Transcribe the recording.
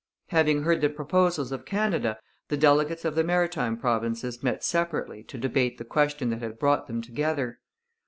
Having heard the proposals of Canada, the delegates of the Maritime Provinces met separately to debate the question that had brought them together.